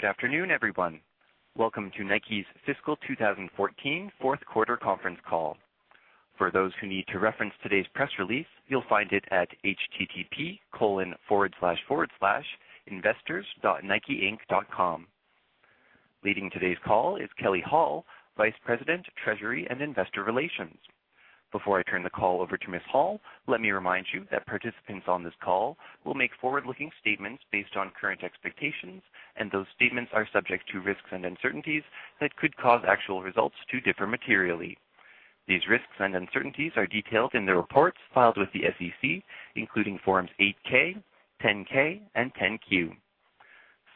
Good afternoon, everyone. Welcome to Nike's fiscal 2014 fourth quarter conference call. For those who need to reference today's press release, you'll find it at http://investors.nikeinc.com. Leading today's call is Kelley Hall, Vice President, Treasury and Investor Relations. Before I turn the call over to Ms. Hall, let me remind you that participants on this call will make forward-looking statements based on current expectations, and those statements are subject to risks and uncertainties that could cause actual results to differ materially. These risks and uncertainties are detailed in the reports filed with the SEC, including Forms 8-K, 10-K, and 10-Q.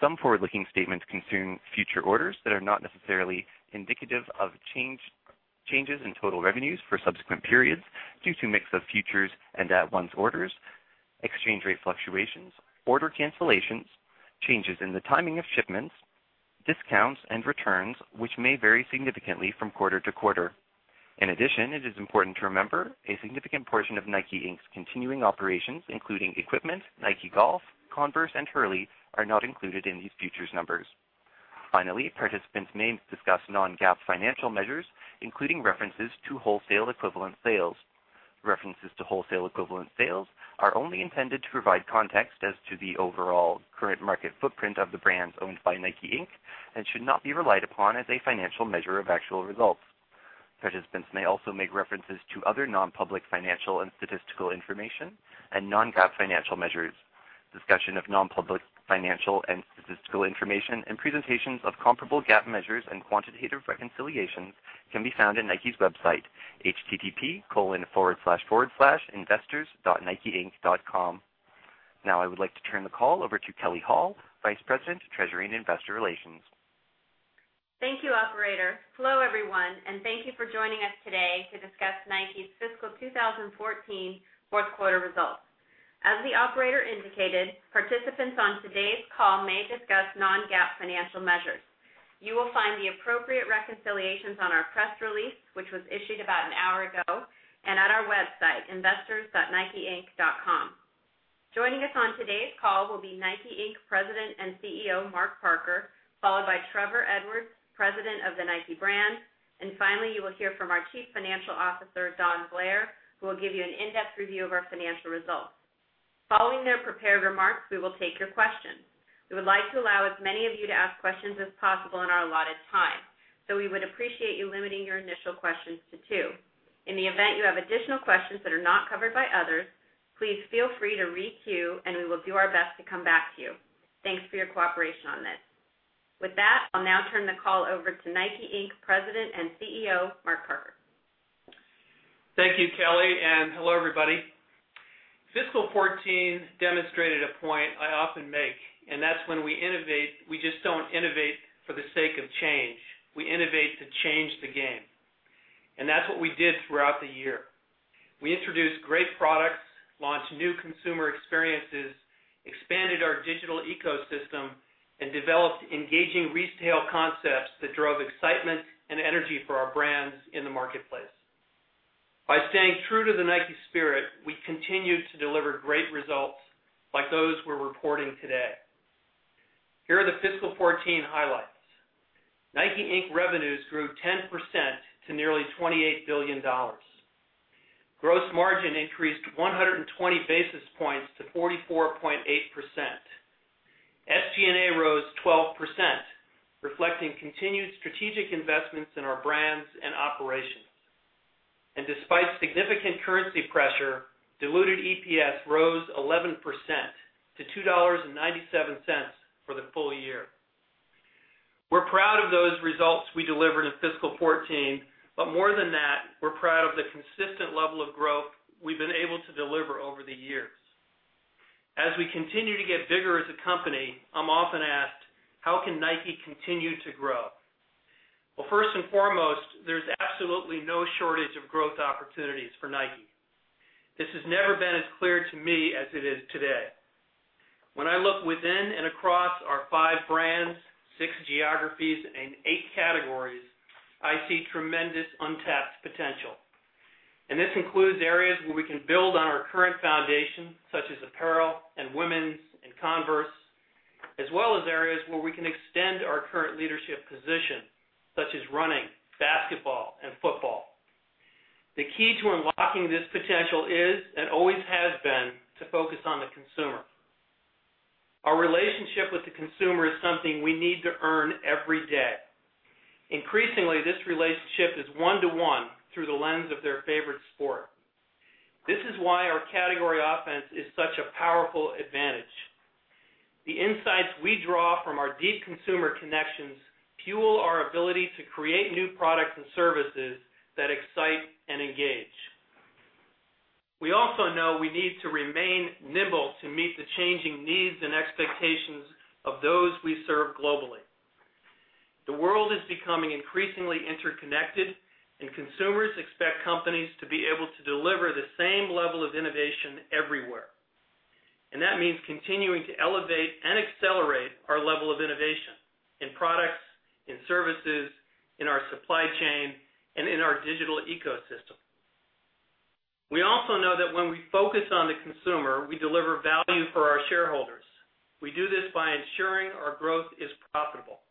Some forward-looking statements concern future orders that are not necessarily indicative of changes in total revenues for subsequent periods due to mix of futures and at once orders, exchange rate fluctuations, order cancellations, changes in the timing of shipments, discounts, and returns, which may vary significantly from quarter to quarter. It is important to remember, a significant portion of Nike, Inc.'s continuing operations, including Equipment, Nike Golf, Converse, and Hurley, are not included in these futures numbers. Finally, participants may discuss non-GAAP financial measures, including references to wholesale equivalent sales. References to wholesale equivalent sales are only intended to provide context as to the overall current market footprint of the brands owned by Nike, Inc. and should not be relied upon as a financial measure of actual results. Participants may also make references to other non-public financial and statistical information and non-GAAP financial measures. Discussion of non-public financial and statistical information and presentations of comparable GAAP measures and quantitative reconciliations can be found on Nike's website, http://investors.nikeinc.com. I would like to turn the call over to Kelley Hall, Vice President, Treasury and Investor Relations. Thank you, operator. Hello, everyone, and thank you for joining us today to discuss Nike's fiscal 2014 fourth quarter results. As the operator indicated, participants on today's call may discuss non-GAAP financial measures. You will find the appropriate reconciliations on our press release, which was issued about an hour ago, and at our website, investors.nikeinc.com. Joining us on today's call will be Nike, Inc., President and CEO, Mark Parker, followed by Trevor Edwards, President of the Nike Brand, and finally, you will hear from our Chief Financial Officer, Don Blair, who will give you an in-depth review of our financial results. Following their prepared remarks, we will take your questions. We would like to allow as many of you to ask questions as possible in our allotted time. We would appreciate you limiting your initial questions to two. In the event you have additional questions that are not covered by others, please feel free to re-queue, and we will do our best to come back to you. Thanks for your cooperation on this. I'll now turn the call over to Nike, Inc., President and CEO, Mark Parker. Thank you, Kelley, and hello, everybody. Fiscal 2014 demonstrated a point I often make. That’s when we innovate, we just don’t innovate for the sake of change. We innovate to change the game. That’s what we did throughout the year. We introduced great products, launched new consumer experiences, expanded our digital ecosystem, and developed engaging retail concepts that drove excitement and energy for our brands in the marketplace. By staying true to the Nike spirit, we continued to deliver great results like those we’re reporting today. Here are the Fiscal 2014 highlights. NIKE, Inc. revenues grew 10% to nearly $28 billion. Gross margin increased 120 basis points to 44.8%. SG&A rose 12%, reflecting continued strategic investments in our brands and operations. Despite significant currency pressure, diluted EPS rose 11% to $2.97 for the full year. We’re proud of those results we delivered in Fiscal 2014. More than that, we’re proud of the consistent level of growth we’ve been able to deliver over the years. As we continue to get bigger as a company, I’m often asked, “How can Nike continue to grow?” Well, first and foremost, there’s absolutely no shortage of growth opportunities for Nike. This has never been as clear to me as it is today. When I look within and across our 5 brands, 6 geographies, and 8 categories, I see tremendous untapped potential. This includes areas where we can build on our current foundation, such as apparel and women’s and Converse, as well as areas where we can extend our current leadership position, such as running, basketball, and football. The key to unlocking this potential is, and always has been, to focus on the consumer. Our relationship with the consumer is something we need to earn every day. Increasingly, this relationship is one-to-one through the lens of their favorite sport. This is why our category offense is such a powerful advantage. The insights we draw from our deep consumer connections fuel our ability to create new products and services that excite and engage. We also know we need to remain nimble to meet the changing needs and expectations of those we serve globally. The world is becoming increasingly interconnected, and consumers expect companies to be able to deliver the same level of innovation everywhere. That means continuing to elevate and accelerate our level of innovation in products, in services, in our supply chain, and in our digital ecosystem. We also know that when we focus on the consumer, we deliver value for our shareholders. We do this by ensuring our growth is profitable.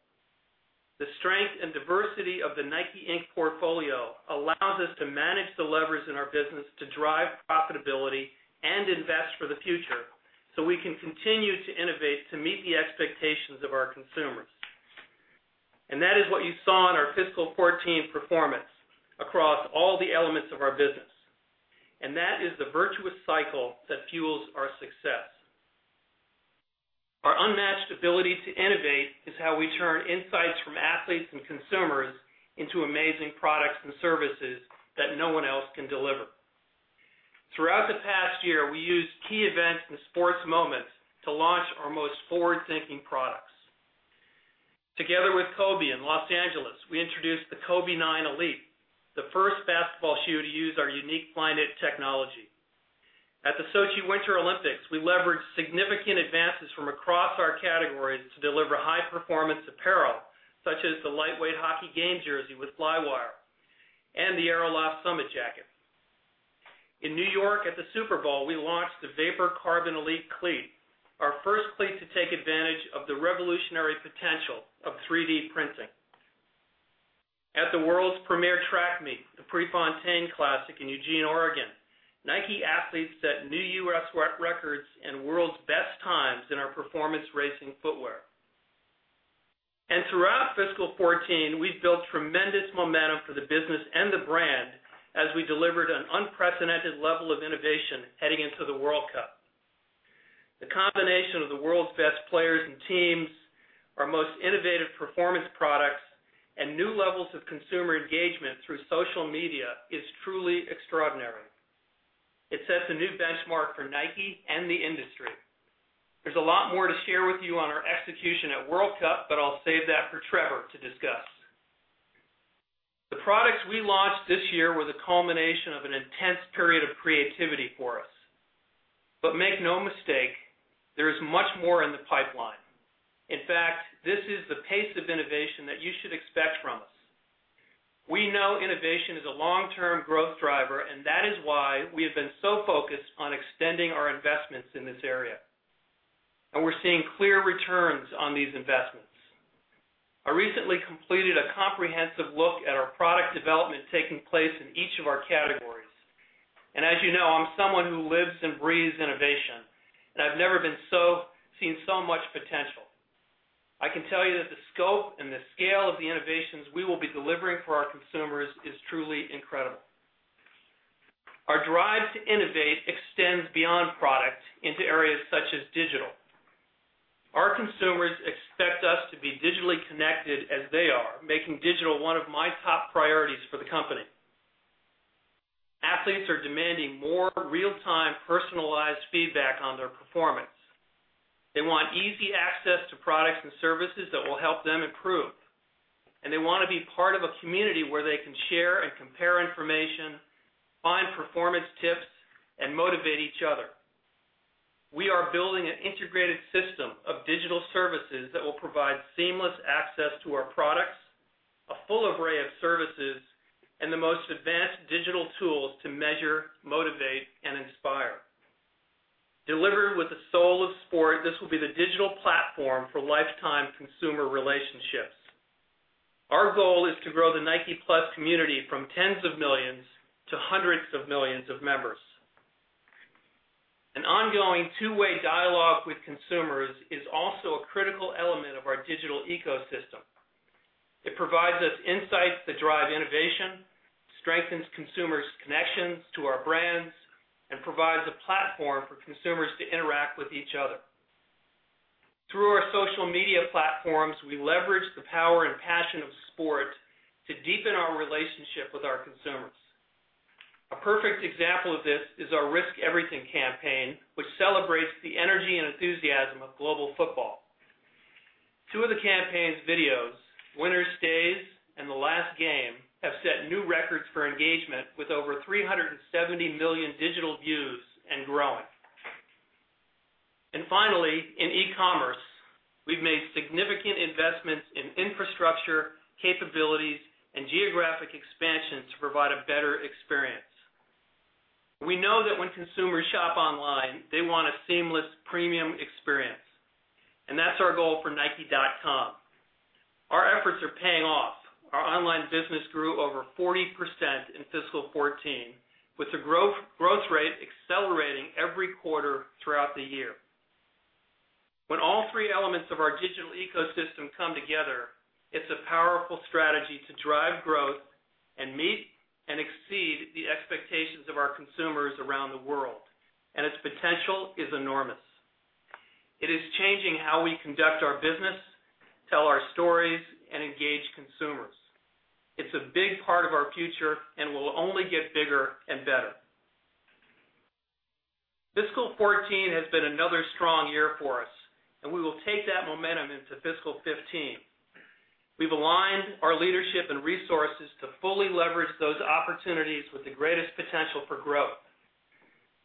The strength and diversity of the NIKE, Inc. portfolio allows us to manage the levers in our business to drive profitability and invest for the future so we can continue to innovate to meet the expectations of our consumers. That is what you saw in our Fiscal 2014 performance across all the elements of our business. That is the virtuous cycle that fuels our success. Our unmatched ability to innovate is how we turn insights from athletes and consumers into amazing products and services that no one else can deliver. Throughout the past year, we used key events and sports moments to launch our most forward-thinking products. Together with Kobe in Los Angeles, we introduced the Kobe 9 Elite, the first basketball shoe to use our unique Flyknit technology. At the Sochi Winter Olympics, we leveraged significant advances from across our categories to deliver high-performance apparel, such as the lightweight hockey game jersey with Flywire and the AeroLoft Summit jacket. In New York at the Super Bowl, we launched the Vapor Carbon Elite Cleat, our first cleat to take advantage of the revolutionary potential of 3D printing. At the world's premier track meet, the Prefontaine Classic in Eugene, Oregon, Nike athletes set new U.S. records and world's best times in our performance racing footwear. Throughout fiscal 2014, we've built tremendous momentum for the business and the brand as we delivered an unprecedented level of innovation heading into the World Cup. The combination of the world's best players and teams, our most innovative performance products, and new levels of consumer engagement through social media is truly extraordinary. It sets a new benchmark for Nike and the industry. There's a lot more to share with you on our execution at World Cup, but I'll save that for Trevor to discuss. The products we launched this year were the culmination of an intense period of creativity for us. Make no mistake, there is much more in the pipeline. In fact, this is the pace of innovation that you should expect from us. We know innovation is a long-term growth driver, and that is why we have been so focused on extending our investments in this area. We're seeing clear returns on these investments. I recently completed a comprehensive look at our product development taking place in each of our categories. As you know, I'm someone who lives and breathes innovation, and I've never seen so much potential. I can tell you that the scope and the scale of the innovations we will be delivering for our consumers is truly incredible. Our drive to innovate extends beyond product into areas such as digital. Our consumers expect us to be digitally connected as they are, making digital one of my top priorities for the company. Athletes are demanding more real-time personalized feedback on their performance. They want easy access to products and services that will help them improve. They want to be part of a community where they can share and compare information, find performance tips, and motivate each other. We are building an integrated system of digital services that will provide seamless access to our products, a full array of services, and the most advanced digital tools to measure, motivate, and inspire. Delivered with the soul of sport, this will be the digital platform for lifetime consumer relationships. Our goal is to grow the Nike+ community from tens of millions to hundreds of millions of members. An ongoing two-way dialogue with consumers is also a critical element of our digital ecosystem. It provides us insights that drive innovation, strengthens consumers' connections to our brands, and provides a platform for consumers to interact with each other. Through our social media platforms, we leverage the power and passion of sport to deepen our relationship with our consumers. A perfect example of this is our Risk Everything campaign, which celebrates the energy and enthusiasm of global football. Two of the campaign's videos, Winner Stays and The Last Game, have set new records for engagement, with over 370 million digital views and growing. Finally, in e-commerce, we've made significant investments in infrastructure, capabilities, and geographic expansion to provide a better experience. We know that when consumers shop online, they want a seamless premium experience. That's our goal for nike.com. Our efforts are paying off. Our online business grew over 40% in fiscal 2014, with the growth rate accelerating every quarter throughout the year. When all three elements of our digital ecosystem come together, it's a powerful strategy to drive growth and meet and exceed the expectations of our consumers around the world. Its potential is enormous. It is changing how we conduct our business, tell our stories, and engage consumers. It's a big part of our future and will only get bigger and better. Fiscal 2014 has been another strong year for us. We will take that momentum into fiscal 2015. We've aligned our leadership and resources to fully leverage those opportunities with the greatest potential for growth.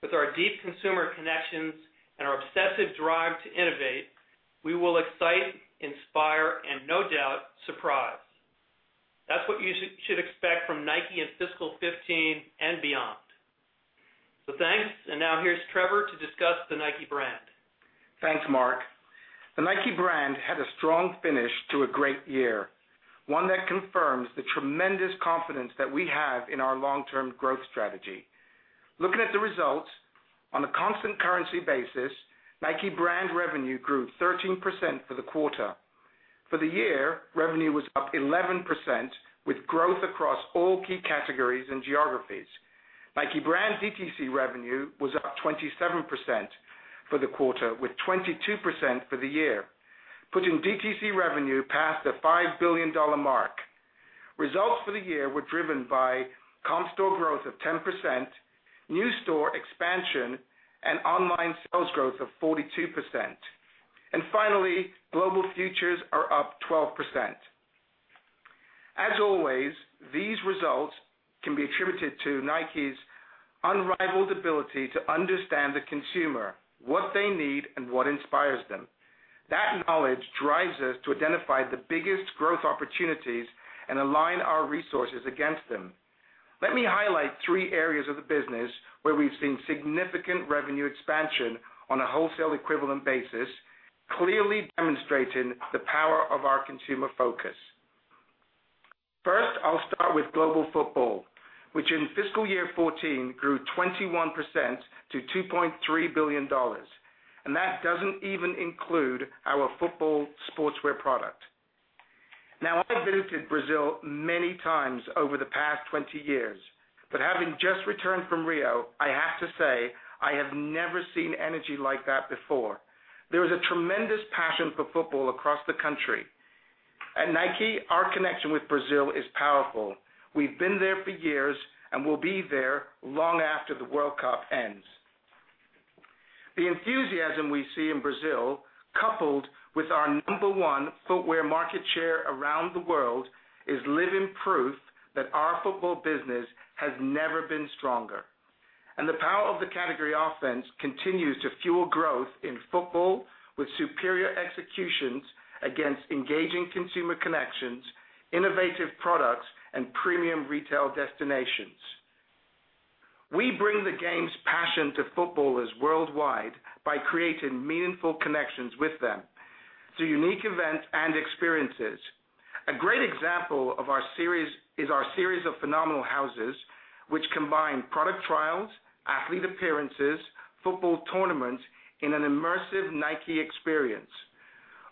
With our deep consumer connections and our obsessive drive to innovate, we will excite, inspire, and no doubt surprise. That's what you should expect from Nike in fiscal 2015 and beyond. Thanks. Now here's Trevor to discuss the Nike brand. Thanks, Mark. The Nike brand had a strong finish to a great year, one that confirms the tremendous confidence that we have in our long-term growth strategy. Looking at the results, on a constant currency basis, Nike brand revenue grew 13% for the quarter. For the year, revenue was up 11%, with growth across all key categories and geographies. Nike brand DTC revenue was up 27% for the quarter, with 22% for the year, putting DTC revenue past the $5 billion mark. Results for the year were driven by comp store growth of 10%, new store expansion, and online sales growth of 42%. Finally, global futures are up 12%. As always, these results can be attributed to Nike's unrivaled ability to understand the consumer, what they need, and what inspires them. That knowledge drives us to identify the biggest growth opportunities and align our resources against them. Let me highlight three areas of the business where we've seen significant revenue expansion on a wholesale equivalent basis, clearly demonstrating the power of our consumer focus. First, I'll start with global football, which in fiscal year 2014 grew 21% to $2.3 billion. That doesn't even include our football sportswear product. I've visited Brazil many times over the past 20 years, but having just returned from Rio, I have to say I have never seen energy like that before. There is a tremendous passion for football across the country. At Nike, our connection with Brazil is powerful. We've been there for years and will be there long after the World Cup ends. The enthusiasm we see in Brazil, coupled with our number one footwear market share around the world, is living proof that our football business has never been stronger. The power of the category offense continues to fuel growth in football with superior executions against engaging consumer connections, innovative products, and premium retail destinations. We bring the game's passion to footballers worldwide by creating meaningful connections with them through unique events and experiences. A great example is our series of Phenomenal Houses, which combine product trials, athlete appearances, football tournaments in an immersive Nike experience.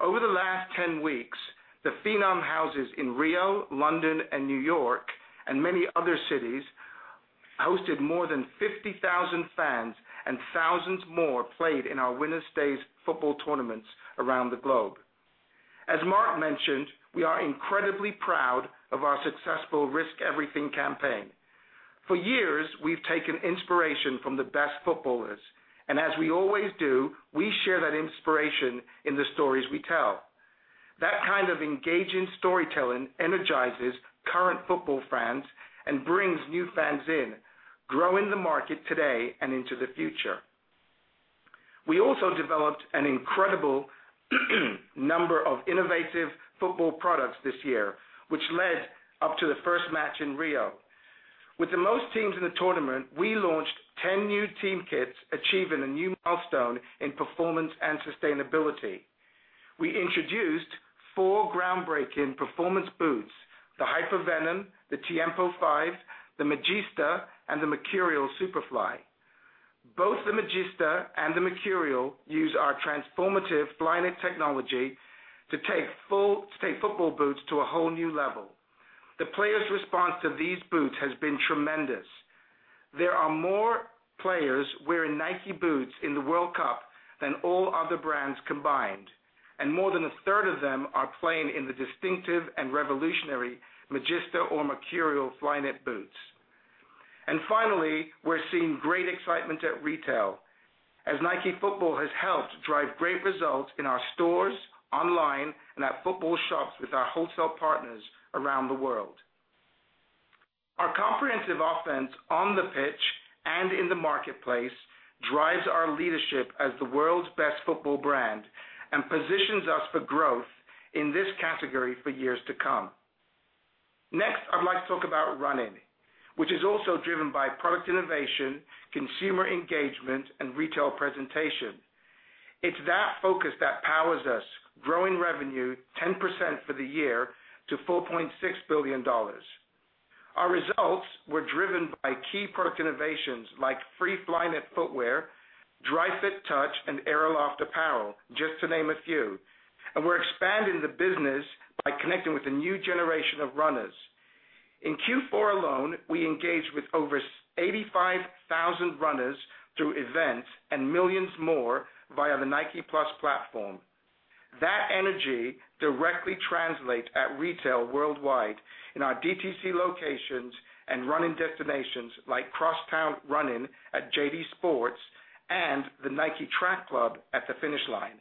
Over the last 10 weeks, the Phenom Houses in Rio, London, and New York, and many other cities, hosted more than 50,000 fans, and thousands more played in our Winner Stays football tournaments around the globe. As Mark mentioned, we are incredibly proud of our successful Risk Everything campaign. For years, we've taken inspiration from the best footballers, and as we always do, we share that inspiration in the stories we tell. That kind of engaging storytelling energizes current football fans and brings new fans in, growing the market today and into the future. We also developed an incredible number of innovative football products this year, which led up to the first match in Rio. With the most teams in the tournament, we launched 10 new team kits achieving a new milestone in performance and sustainability. We introduced four groundbreaking performance boots: the Hypervenom, the Tiempo V, the Magista, and the Mercurial Superfly. Both the Magista and the Mercurial use our transformative Flyknit technology to take football boots to a whole new level. The players' response to these boots has been tremendous. There are more players wearing Nike boots in the World Cup than all other brands combined, and more than a third of them are playing in the distinctive and revolutionary Magista or Mercurial Flyknit boots. Finally, we're seeing great excitement at retail as Nike Football has helped drive great results in our stores, online, and at football shops with our wholesale partners around the world. Our comprehensive offense on the pitch and in the marketplace drives our leadership as the world's best football brand and positions us for growth in this category for years to come. Next, I'd like to talk about running, which is also driven by product innovation, consumer engagement, and retail presentation. It's that focus that powers us, growing revenue 10% for the year to $4.6 billion. Our results were driven by key product innovations like Free Flyknit footwear, Dri-FIT Touch, and AeroLoft apparel, just to name a few. In Q4 alone, we engaged with over 85,000 runners through events and millions more via the Nike+ platform. That energy directly translates at retail worldwide in our DTC locations and running destinations like Crosstown Running at JD Sports and the Nike Track Club at the Finish Line.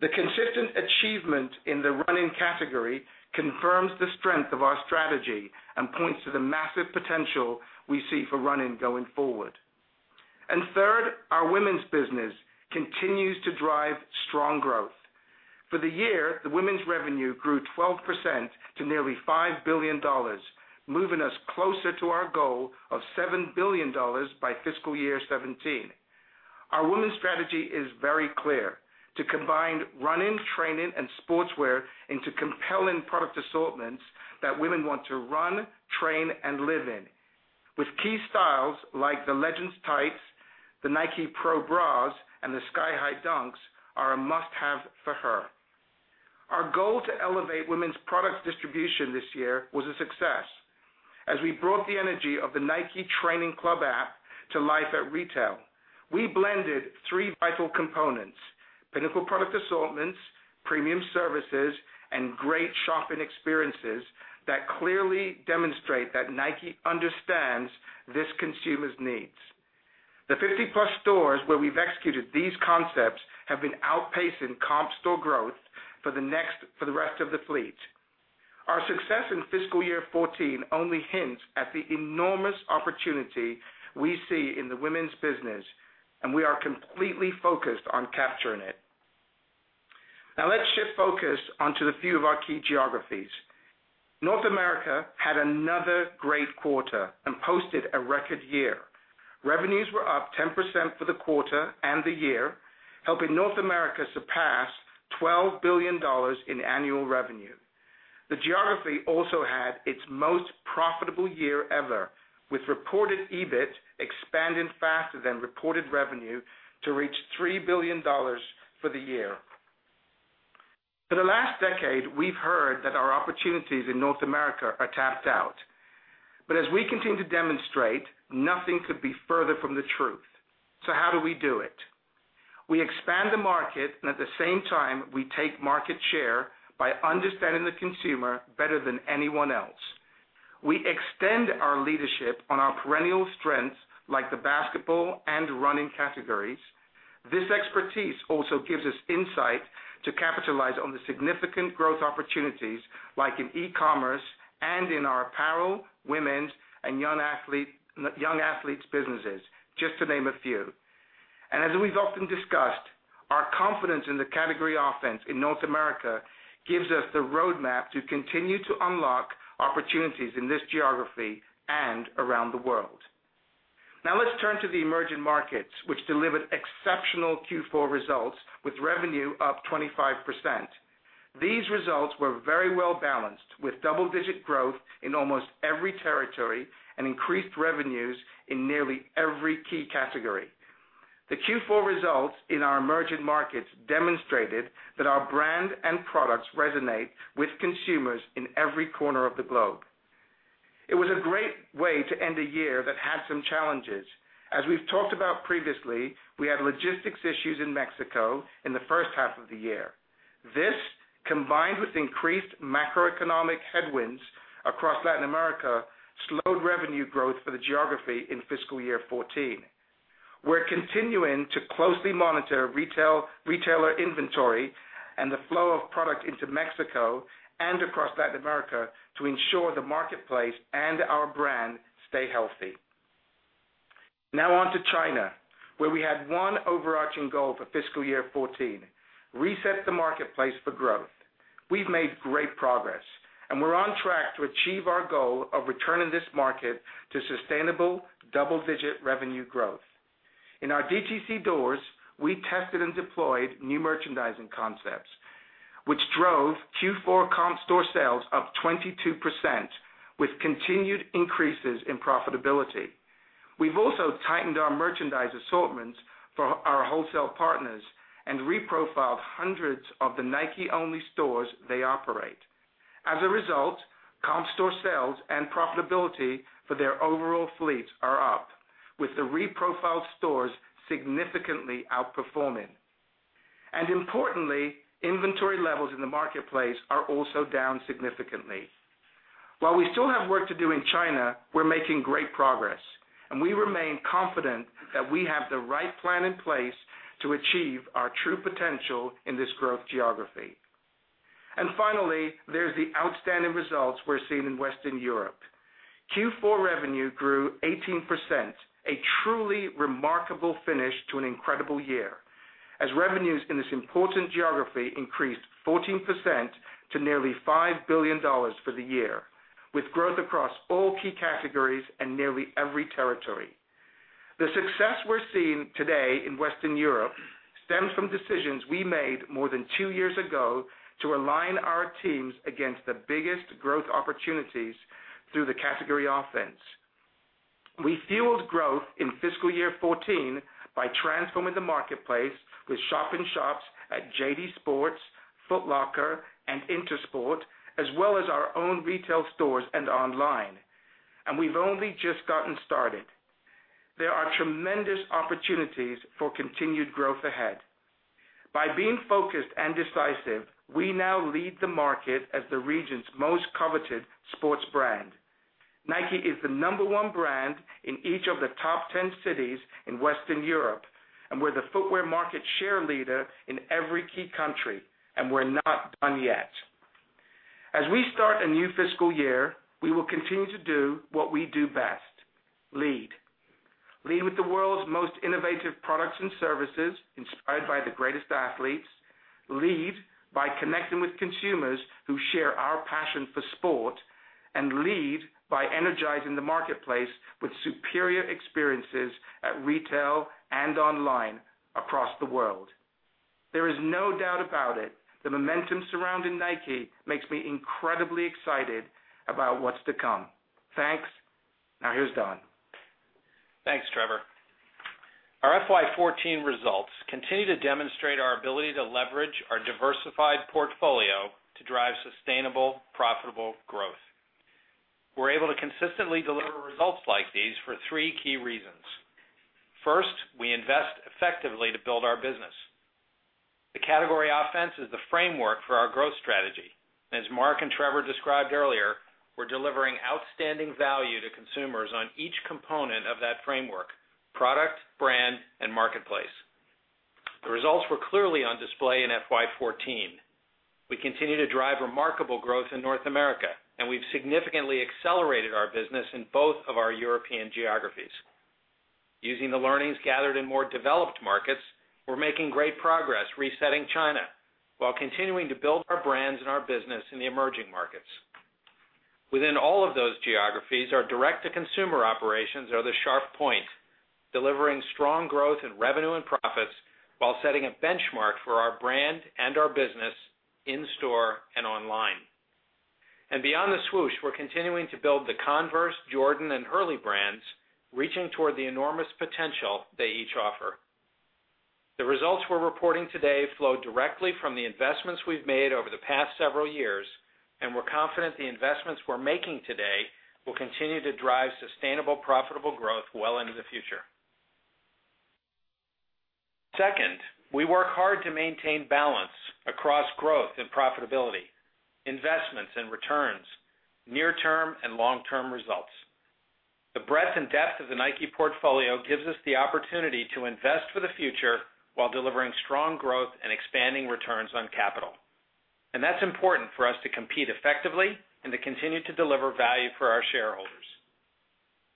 The consistent achievement in the running category confirms the strength of our strategy and points to the massive potential we see for running going forward. Third, our women's business continues to drive strong growth. For the year, the women's revenue grew 12% to nearly $5 billion, moving us closer to our goal of $7 billion by fiscal year 2017. Our women's strategy is very clear, to combine running, training, and sportswear into compelling product assortments that women want to run, train, and live in. With key styles like the Legend Tights, the Nike Pro bras, and the Dunk Sky Hi are a must-have for her. Our goal to elevate women's product distribution this year was a success. As we brought the energy of the Nike Training Club app to life at retail. We blended three vital components, pinnacle product assortments, premium services, and great shopping experiences that clearly demonstrate that Nike understands this consumer's needs. The 50-plus stores where we've executed these concepts have been outpacing comp store growth for the rest of the fleet. Our success in FY 2014 only hints at the enormous opportunity we see in the women's business, and we are completely focused on capturing it. Let's shift focus onto a few of our key geographies. North America had another great quarter and posted a record year. Revenues were up 10% for the quarter and the year, helping North America surpass $12 billion in annual revenue. The geography also had its most profitable year ever, with reported EBIT expanding faster than reported revenue to reach $3 billion for the year. For the last decade, we've heard that our opportunities in North America are tapped out. As we continue to demonstrate, nothing could be further from the truth. How do we do it? We expand the market, and at the same time, we take market share by understanding the consumer better than anyone else. We extend our leadership on our perennial strengths like the basketball and running categories. This expertise also gives us insight to capitalize on the significant growth opportunities, like in e-commerce and in our apparel, women's, and young athletes businesses, just to name a few. As we've often discussed, our confidence in the category offense in North America gives us the roadmap to continue to unlock opportunities in this geography and around the world. Let's turn to the emerging markets, which delivered exceptional Q4 results with revenue up 25%. These results were very well-balanced, with double-digit growth in almost every territory and increased revenues in nearly every key category. The Q4 results in our emerging markets demonstrated that our brand and products resonate with consumers in every corner of the globe. It was a great way to end a year that had some challenges. As we've talked about previously, we had logistics issues in Mexico in the first half of the year. This, combined with increased macroeconomic headwinds across Latin America, slowed revenue growth for the geography in FY 2014. We're continuing to closely monitor retailer inventory and the flow of product into Mexico and across Latin America to ensure the marketplace and our brand stay healthy. On to China, where we had one overarching goal for FY 2014, reset the marketplace for growth. We've made great progress, we're on track to achieve our goal of returning this market to sustainable double-digit revenue growth. In our DTC doors, we tested and deployed new merchandising concepts, which drove Q4 comp store sales up 22%, with continued increases in profitability. We've also tightened our merchandise assortments for our wholesale partners and reprofiled hundreds of the Nike-only stores they operate. As a result, comp store sales and profitability for their overall fleet are up, with the reprofiled stores significantly outperforming. Importantly, inventory levels in the marketplace are also down significantly. While we still have work to do in China, we're making great progress, and we remain confident that we have the right plan in place to achieve our true potential in this growth geography. Finally, there's the outstanding results we're seeing in Western Europe. Q4 revenue grew 18%, a truly remarkable finish to an incredible year, as revenues in this important geography increased 14% to nearly $5 billion for the year, with growth across all key categories and nearly every territory. The success we're seeing today in Western Europe stems from decisions we made more than two years ago to align our teams against the biggest growth opportunities through the Category Offense. We fueled growth in fiscal year 2014 by transforming the marketplace with shop and shops at JD Sports, Foot Locker, and Intersport, as well as our own retail stores and online. We've only just gotten started. There are tremendous opportunities for continued growth ahead. By being focused and decisive, we now lead the market as the region's most coveted sports brand. Nike is the number one brand in each of the top 10 cities in Western Europe. We're the footwear market share leader in every key country. We're not done yet. As we start a new fiscal year, we will continue to do what we do best, lead. Lead with the world's most innovative products and services inspired by the greatest athletes. Lead by connecting with consumers who share our passion for sport. Lead by energizing the marketplace with superior experiences at retail and online across the world. There is no doubt about it, the momentum surrounding Nike makes me incredibly excited about what's to come. Thanks. Now, here's Don. Thanks, Trevor. Our FY 2014 results continue to demonstrate our ability to leverage our diversified portfolio to drive sustainable, profitable growth. We're able to consistently deliver results like these for three key reasons. First, we invest effectively to build our business. The Category Offense is the framework for our growth strategy. As Mark and Trevor described earlier, we're delivering outstanding value to consumers on each component of that framework, product, brand, and marketplace. The results were clearly on display in FY 2014. We continue to drive remarkable growth in North America. We've significantly accelerated our business in both of our European geographies. Using the learnings gathered in more developed markets, we're making great progress resetting China while continuing to build our brands and our business in the emerging markets. Within all of those geographies, our direct-to-consumer operations are the sharp point, delivering strong growth in revenue and profits while setting a benchmark for our brand and our business in store and online. Beyond the swoosh, we're continuing to build the Converse, Jordan, and Hurley brands, reaching toward the enormous potential they each offer. The results we're reporting today flow directly from the investments we've made over the past several years. We're confident the investments we're making today will continue to drive sustainable, profitable growth well into the future. Second, we work hard to maintain balance across growth and profitability, investments and returns, near-term and long-term results. The breadth and depth of the Nike portfolio gives us the opportunity to invest for the future while delivering strong growth and expanding returns on capital. That's important for us to compete effectively and to continue to deliver value for our shareholders.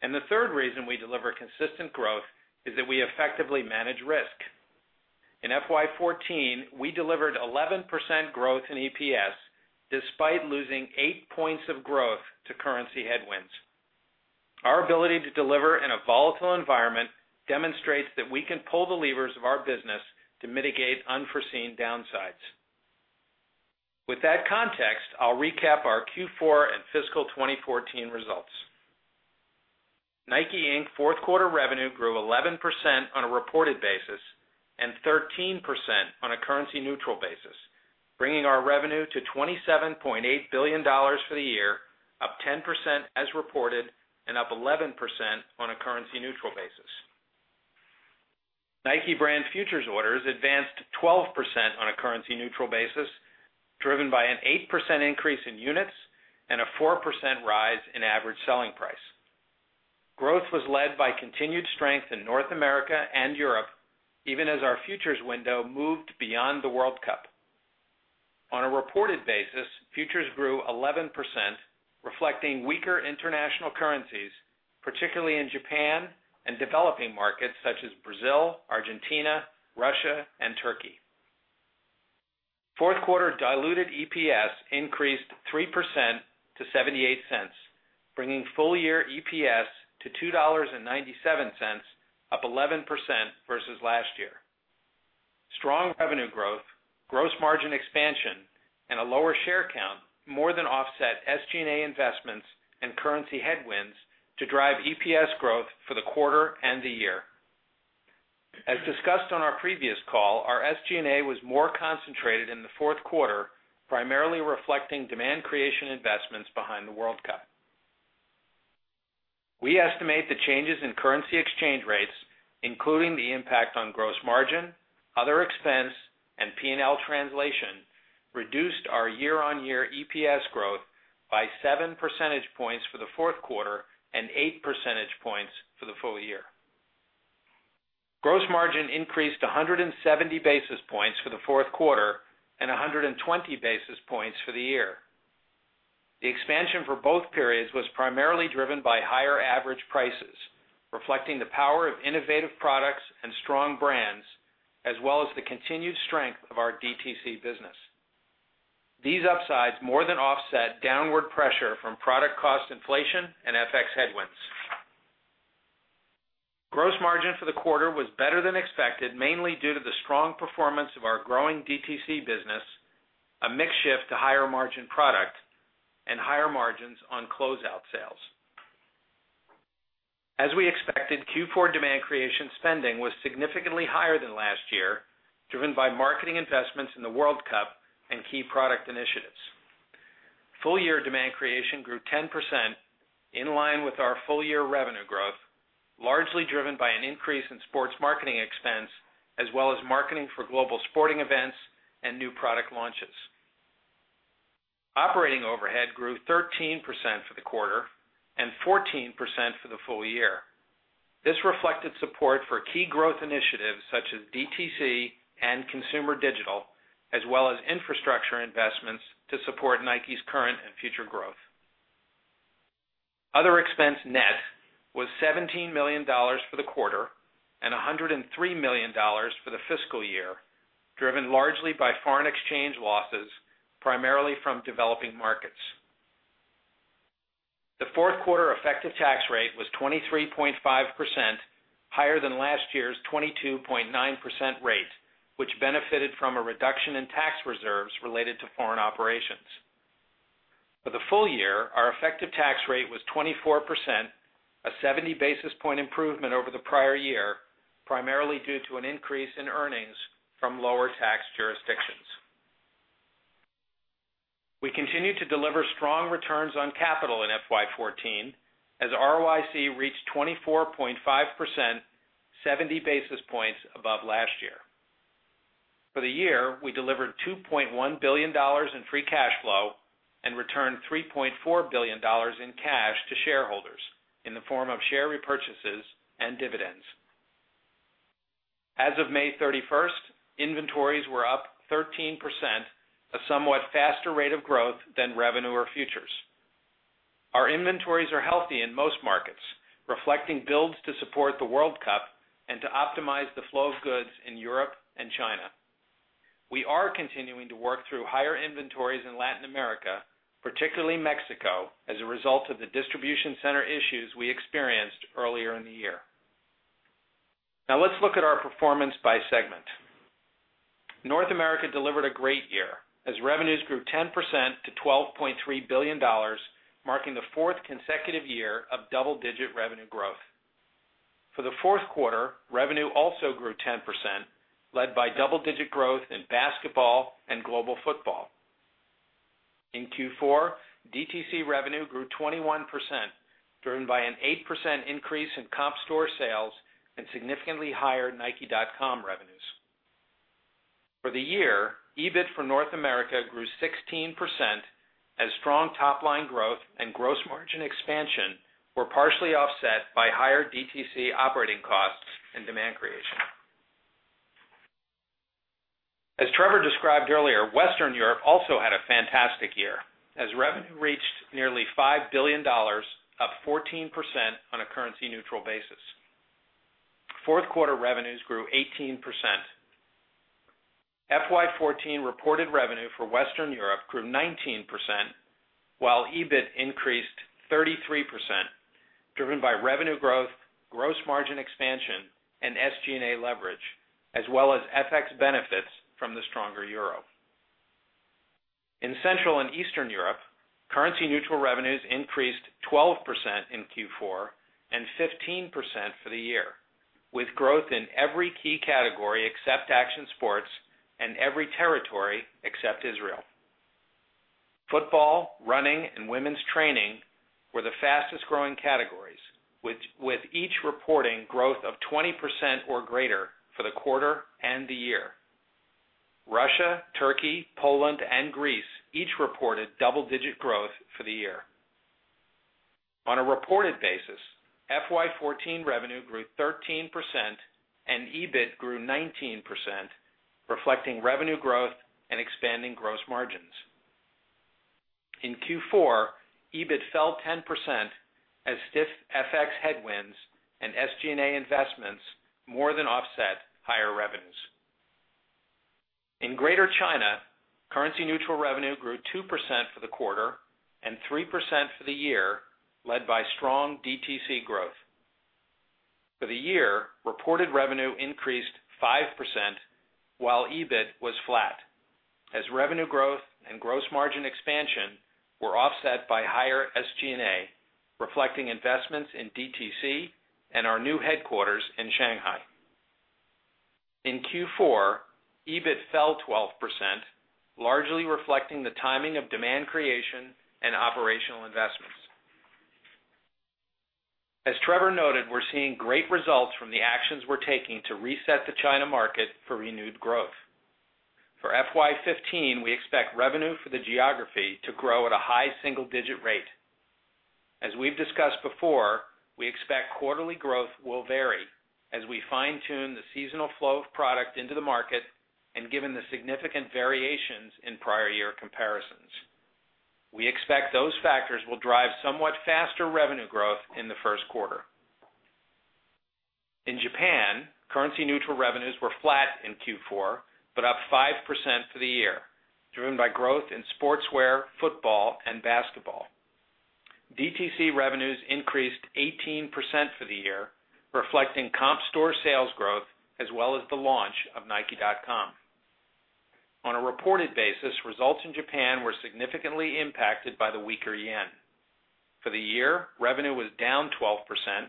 The third reason we deliver consistent growth is that we effectively manage risk. In FY 2014, we delivered 11% growth in EPS despite losing eight points of growth to currency headwinds. Our ability to deliver in a volatile environment demonstrates that we can pull the levers of our business to mitigate unforeseen downsides. With that context, I'll recap our Q4 and fiscal 2014 results. Nike, Inc. fourth quarter revenue grew 11% on a reported basis and 13% on a currency-neutral basis, bringing our revenue to $27.8 billion for the year, up 10% as reported and up 11% on a currency-neutral basis. Nike brand futures orders advanced 12% on a currency-neutral basis, driven by an 8% increase in units and a 4% rise in average selling price. Growth was led by continued strength in North America and Europe, even as our futures window moved beyond the World Cup. On a reported basis, futures grew 11%, reflecting weaker international currencies, particularly in Japan and developing markets such as Brazil, Argentina, Russia, and Turkey. Fourth quarter diluted EPS increased 3% to $0.78, bringing full-year EPS to $2.97, up 11% versus last year. Strong revenue growth, gross margin expansion, and a lower share count more than offset SG&A investments and currency headwinds to drive EPS growth for the quarter and the year. As discussed on our previous call, our SG&A was more concentrated in the fourth quarter, primarily reflecting demand creation investments behind the World Cup. We estimate the changes in currency exchange rates, including the impact on gross margin, other expense, and P&L translation reduced our year-on-year EPS growth by seven percentage points for the fourth quarter and eight percentage points for the full year. Gross margin increased 170 basis points for the fourth quarter and 120 basis points for the year. The expansion for both periods was primarily driven by higher average prices, reflecting the power of innovative products and strong brands, as well as the continued strength of our DTC business. These upsides more than offset downward pressure from product cost inflation and FX headwinds. Gross margin for the quarter was better than expected, mainly due to the strong performance of our growing DTC business, a mix shift to higher margin product, and higher margins on closeout sales. As we expected, Q4 demand creation spending was significantly higher than last year, driven by marketing investments in the World Cup and key product initiatives. Full year demand creation grew 10%, in line with our full year revenue growth, largely driven by an increase in sports marketing expense, as well as marketing for global sporting events and new product launches. Operating overhead grew 13% for the quarter and 14% for the full year. This reflected support for key growth initiatives such as DTC and consumer digital, as well as infrastructure investments to support Nike's current and future growth. Other expense net was $17 million for the quarter and $103 million for the fiscal year, driven largely by foreign exchange losses, primarily from developing markets. The fourth quarter effective tax rate was 23.5%, higher than last year's 22.9% rate, which benefited from a reduction in tax reserves related to foreign operations. For the full year, our effective tax rate was 24%, a 70 basis point improvement over the prior year, primarily due to an increase in earnings from lower tax jurisdictions. We continued to deliver strong returns on capital in FY 2014 as ROIC reached 24.5%, 70 basis points above last year. For the year, we delivered $2.1 billion in free cash flow and returned $3.4 billion in cash to shareholders in the form of share repurchases and dividends. As of May 31st, inventories were up 13%, a somewhat faster rate of growth than revenue or futures. Our inventories are healthy in most markets, reflecting builds to support the World Cup and to optimize the flow of goods in Europe and China. We are continuing to work through higher inventories in Latin America, particularly Mexico, as a result of the distribution center issues we experienced earlier in the year. Now let's look at our performance by segment. North America delivered a great year as revenues grew 10% to $12.3 billion, marking the fourth consecutive year of double-digit revenue growth. For the fourth quarter, revenue also grew 10%, led by double-digit growth in basketball and global football. In Q4, DTC revenue grew 21%, driven by an 8% increase in comp store sales and significantly higher nike.com revenues. For the year, EBIT for North America grew 16% as strong top-line growth and gross margin expansion were partially offset by higher DTC operating costs and demand creation. As Trevor described earlier, Western Europe also had a fantastic year, as revenue reached nearly $5 billion, up 14% on a currency-neutral basis. Fourth quarter revenues grew 18%. FY 2014 reported revenue for Western Europe grew 19%, while EBIT increased 33%, driven by revenue growth, gross margin expansion and SG&A leverage, as well as FX benefits from the stronger euro. In Central and Eastern Europe, currency neutral revenues increased 12% in Q4 and 15% for the year, with growth in every key category except action sports and every territory except Israel. Football, running and women's training were the fastest-growing categories, with each reporting growth of 20% or greater for the quarter and the year. Russia, Turkey, Poland and Greece each reported double-digit growth for the year. On a reported basis, FY 2014 revenue grew 13% and EBIT grew 19%, reflecting revenue growth and expanding gross margins. In Q4, EBIT fell 10% as stiff FX headwinds and SG&A investments more than offset higher revenues. In Greater China, currency neutral revenue grew 2% for the quarter and 3% for the year, led by strong DTC growth. For the year, reported revenue increased 5% while EBIT was flat as revenue growth and gross margin expansion were offset by higher SG&A, reflecting investments in DTC and our new headquarters in Shanghai. In Q4, EBIT fell 12%, largely reflecting the timing of demand creation and operational investments. As Trevor noted, we're seeing great results from the actions we're taking to reset the China market for renewed growth. For FY 2015, we expect revenue for the geography to grow at a high single-digit rate. As we've discussed before, we expect quarterly growth will vary as we fine-tune the seasonal flow of product into the market and given the significant variations in prior year comparisons. We expect those factors will drive somewhat faster revenue growth in the first quarter. In Japan, currency neutral revenues were flat in Q4, but up 5% for the year, driven by growth in sportswear, football and basketball. DTC revenues increased 18% for the year, reflecting comp store sales growth as well as the launch of nike.com. On a reported basis, results in Japan were significantly impacted by the weaker yen. For the year, revenue was down 12%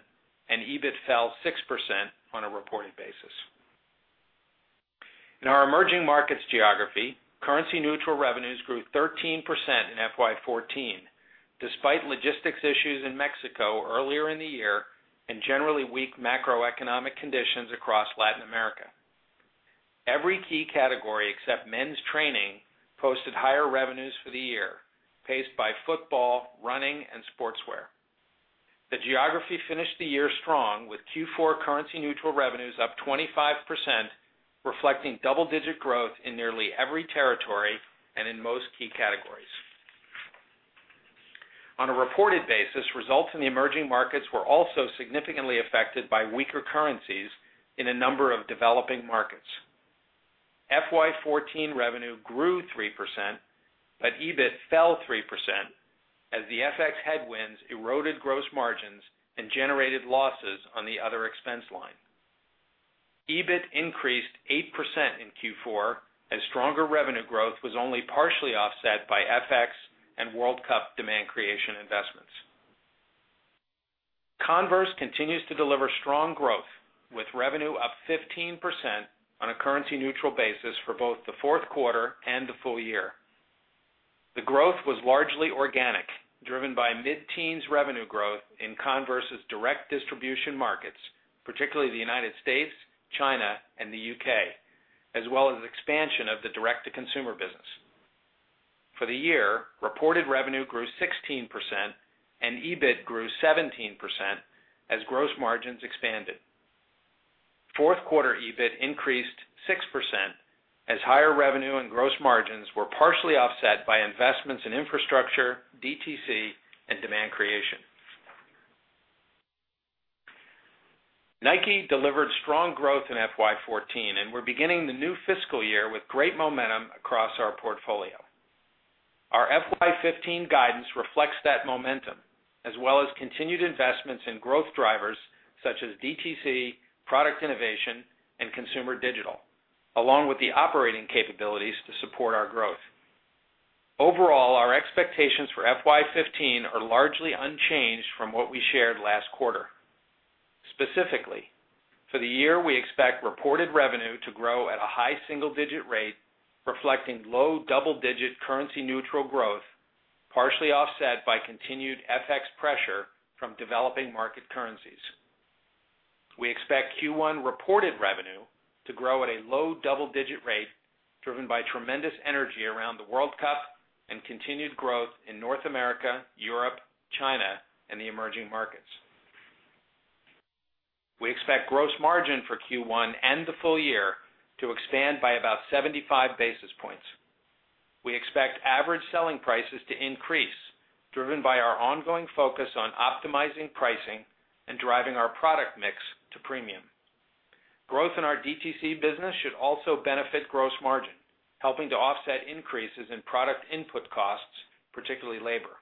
and EBIT fell 6% on a reported basis. In our emerging markets geography, currency neutral revenues grew 13% in FY 2014, despite logistics issues in Mexico earlier in the year and generally weak macroeconomic conditions across Latin America. Every key category except men's training posted higher revenues for the year, paced by football, running and sportswear. The geography finished the year strong with Q4 currency neutral revenues up 25%, reflecting double-digit growth in nearly every territory and in most key categories. On a reported basis, results in the emerging markets were also significantly affected by weaker currencies in a number of developing markets. FY 2014 revenue grew 3%, but EBIT fell 3% as the FX headwinds eroded gross margins and generated losses on the other expense line. EBIT increased 8% in Q4 as stronger revenue growth was only partially offset by FX and World Cup demand creation investments. Converse continues to deliver strong growth, with revenue up 15% on a currency neutral basis for both the fourth quarter and the full year. The growth was largely organic, driven by mid-teens revenue growth in Converse's direct distribution markets, particularly the United States, China, and the U.K., as well as expansion of the direct-to-consumer business. For the year, reported revenue grew 16% and EBIT grew 17% as gross margins expanded. Fourth quarter EBIT increased 6% as higher revenue and gross margins were partially offset by investments in infrastructure, DTC, and demand creation. Nike delivered strong growth in FY 2014, and we're beginning the new fiscal year with great momentum across our portfolio. Our FY 2015 guidance reflects that momentum, as well as continued investments in growth drivers such as DTC, product innovation, and consumer digital, along with the operating capabilities to support our growth. Overall, our expectations for FY 2015 are largely unchanged from what we shared last quarter. Specifically, for the year, we expect reported revenue to grow at a high single-digit rate, reflecting low double-digit currency neutral growth, partially offset by continued FX pressure from developing market currencies. We expect Q1 reported revenue to grow at a low double-digit rate, driven by tremendous energy around the World Cup and continued growth in North America, Europe, China, and the emerging markets. We expect gross margin for Q1 and the full year to expand by about 75 basis points. We expect average selling prices to increase, driven by our ongoing focus on optimizing pricing and driving our product mix to premium. Growth in our DTC business should also benefit gross margin, helping to offset increases in product input costs, particularly labor.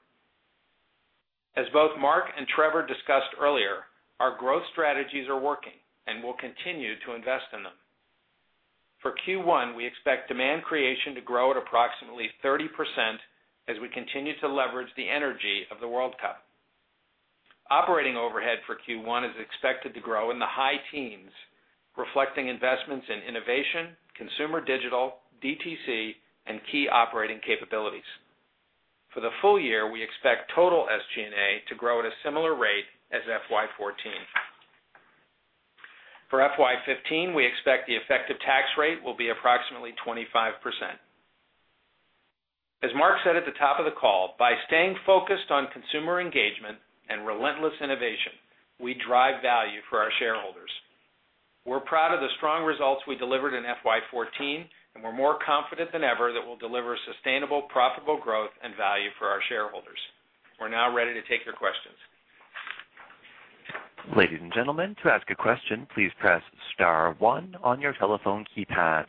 As both Mark and Trevor discussed earlier, our growth strategies are working and we'll continue to invest in them. For Q1, we expect demand creation to grow at approximately 30% as we continue to leverage the energy of the World Cup. Operating overhead for Q1 is expected to grow in the high teens, reflecting investments in innovation, consumer digital, DTC, and key operating capabilities. For the full year, we expect total SG&A to grow at a similar rate as FY 2014. For FY 2015, we expect the effective tax rate will be approximately 25%. As Mark said at the top of the call, by staying focused on consumer engagement and relentless innovation, we drive value for our shareholders. We're proud of the strong results we delivered in FY 2014, and we're more confident than ever that we'll deliver sustainable, profitable growth and value for our shareholders. We're now ready to take your questions. Ladies and gentlemen, to ask a question, please press *1 on your telephone keypad.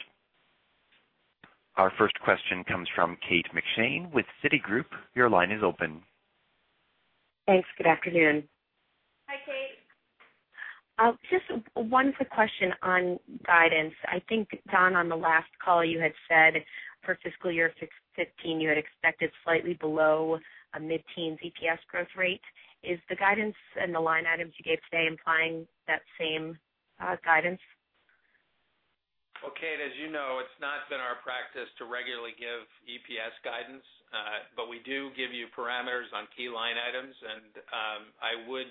Our first question comes from Kate McShane with Citigroup. Your line is open. Thanks. Good afternoon. Hi, Kate. Just one quick question on guidance. I think, Don, on the last call, you had said for fiscal year 2015, you had expected slightly below a mid-teen EPS growth rate. Is the guidance and the line items you gave today implying that same guidance? Well, Kate, as you know, it's not been our practice to regularly give EPS guidance. We do give you parameters on key line items and I would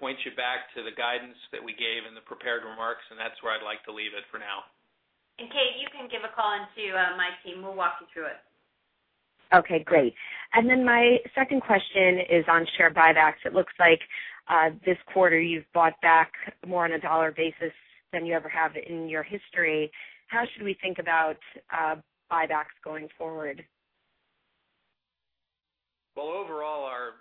point you back to the guidance that we gave in the prepared remarks, that's where I'd like to leave it for now. Kate, you can give a call into my team. We'll walk you through it. Okay, great. My second question is on share buybacks. It looks like this quarter you've bought back more on a dollar basis than you ever have in your history. How should we think about buybacks going forward? Well, overall, our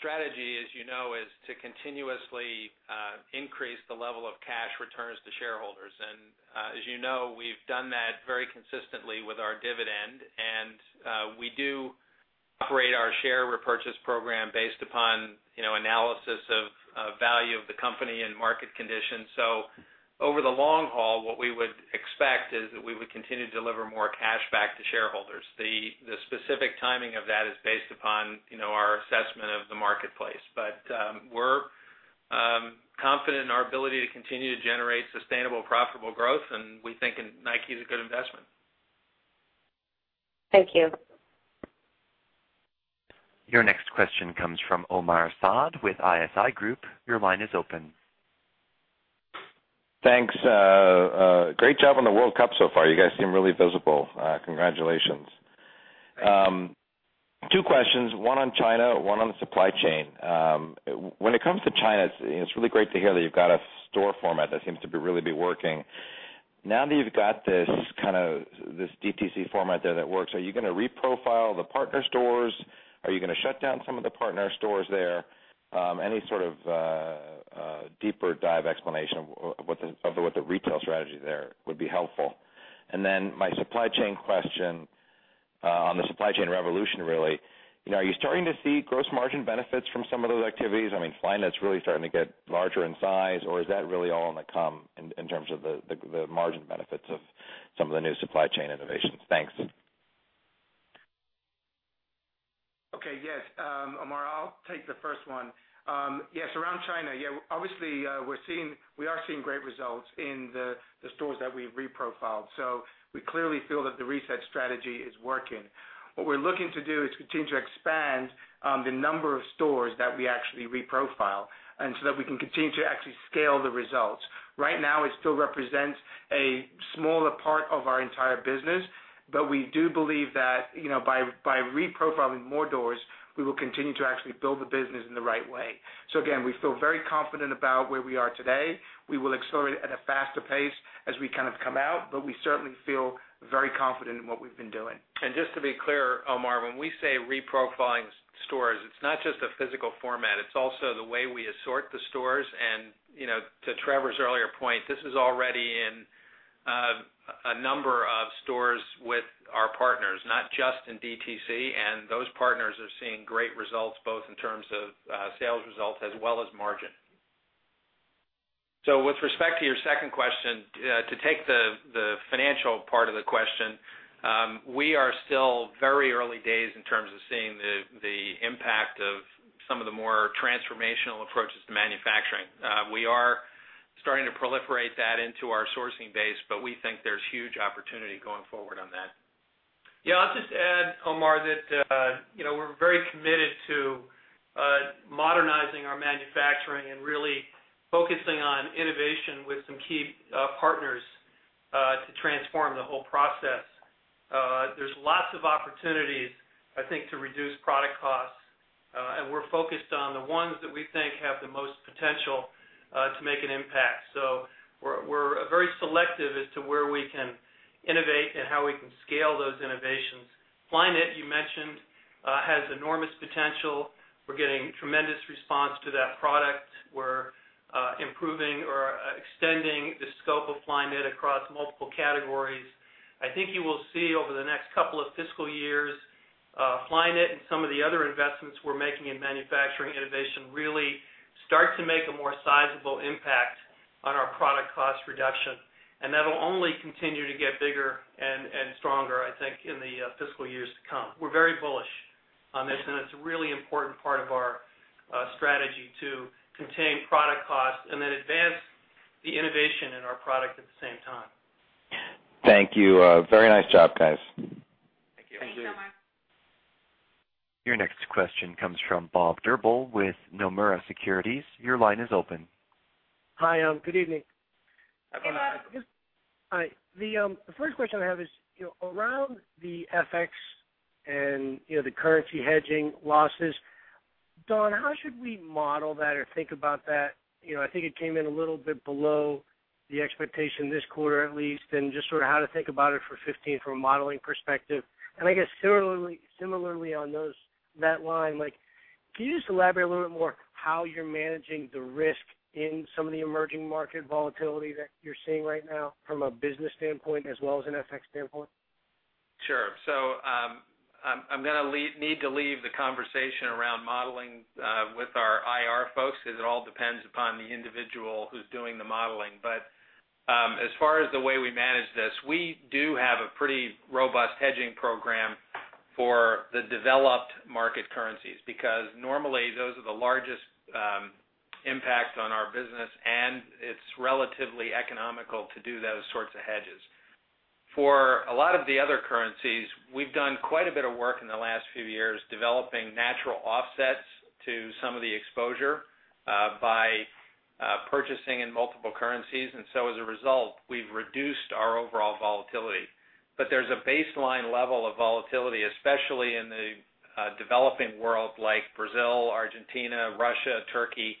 strategy, as you know, is to continuously increase the level of cash returns to shareholders. As you know, we've done that very consistently with our dividend. We do operate our share repurchase program based upon analysis of value of the company and market conditions. Over the long haul, what we would expect is that we would continue to deliver more cash back to shareholders. The specific timing of that is based upon our assessment of the marketplace. We're confident in our ability to continue to generate sustainable, profitable growth, we think Nike is a good investment. Thank you. Your next question comes from Omar Saad with ISI Group. Your line is open. Thanks. Great job on the World Cup so far. You guys seem really visible. Congratulations. Thanks. Two questions, one on China, one on the supply chain. When it comes to China, it's really great to hear that you've got a store format that seems to really be working. Now that you've got this DTC format there that works, are you going to re-profile the partner stores? Are you going to shut down some of the partner stores there? Any sort of deeper dive explanation of what the retail strategy there would be helpful. My supply chain question, on the supply chain revolution, really. Are you starting to see gross margin benefits from some of those activities? Flyknit's really starting to get larger in size, or is that really all going to come in terms of the margin benefits of some of the new supply chain innovations? Thanks. Okay, yes. Omar, I'll take the first one. Yes, around China, obviously, we are seeing great results in the stores that we've re-profiled. We clearly feel that the reset strategy is working. What we're looking to do is continue to expand the number of stores that we actually re-profile, so that we can continue to actually scale the results. Right now, it still represents a smaller part of our entire business, we do believe that, by re-profiling more doors, we will continue to actually build the business in the right way. Again, we feel very confident about where we are today. We will accelerate at a faster pace as we kind of come out, we certainly feel very confident in what we've been doing. Just to be clear, Omar, when we say re-profiling stores, it's not just a physical format, it's also the way we assort the stores. To Trevor's earlier point, this is already in a number of stores with our partners, not just in DTC, those partners are seeing great results, both in terms of sales results as well as margin. With respect to your second question, to take the financial part of the question, we are still very early days in terms of seeing the impact of some of the more transformational approaches to manufacturing. We are starting to proliferate that into our sourcing base, we think there's huge opportunity going forward on that. I'll just add, Omar, that we're very committed to modernizing our manufacturing and really focusing on innovation with some key partners to transform the whole process. There's lots of opportunities, I think, to reduce product costs. We're focused on the ones that we think have the most potential to make an impact. We're very selective as to where we can innovate and how we can scale those innovations. Flyknit, you mentioned, has enormous potential. We're getting tremendous response to that product. We're improving or extending the scope of Flyknit across multiple categories. I think you will see over the next couple of fiscal years, Flyknit and some of the other investments we're making in manufacturing innovation really start to make a more sizable impact on our product cost reduction. That'll only continue to get bigger and stronger, I think, in the fiscal years to come. We're very bullish on this, and it's a really important part of our strategy to contain product costs and then advance the innovation in our product at the same time. Thank you. Very nice job, guys. Thank you. Thank you. Thank you so much. Your next question comes from Bob Drbul with Nomura Securities. Your line is open. Hi, good evening. Hi, Bob. Hi. The first question I have is around the FX and the currency hedging losses, Don, how should we model that or think about that? I think it came in a little bit below the expectation this quarter at least, just sort of how to think about it for 2015 from a modeling perspective. I guess similarly on that line, can you just elaborate a little bit more how you're managing the risk in some of the emerging market volatility that you're seeing right now from a business standpoint as well as an FX standpoint? Sure. I'm going to need to leave the conversation around modeling with our IR folks, because it all depends upon the individual who's doing the modeling. As far as the way we manage this, we do have a pretty robust hedging program for the developed market currencies, because normally those are the largest impacts on our business, and it's relatively economical to do those sorts of hedges. For a lot of the other currencies, we've done quite a bit of work in the last few years developing natural offsets to some of the exposure by purchasing in multiple currencies. As a result, we've reduced our overall volatility. There's a baseline level of volatility, especially in the developing world like Brazil, Argentina, Russia, Turkey,